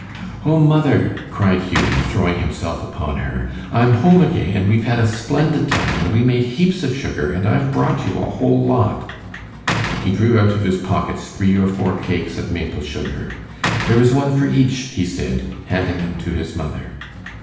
"Oh, mother!" cried Hughie, throwing himself upon her, "I'm home again, and we've had a splendid time, and we made heaps of sugar, and I've brought you a whole lot." He drew out of his pockets three or four cakes of maple sugar. "There is one for each," he said, handing them to his mother.